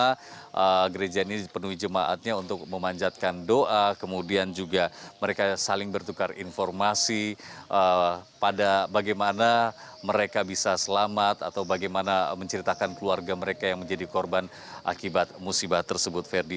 bagaimana gereja ini dipenuhi jemaatnya untuk memanjatkan doa kemudian juga mereka saling bertukar informasi pada bagaimana mereka bisa selamat atau bagaimana menceritakan keluarga mereka yang menjadi korban akibat musibah tersebut ferdi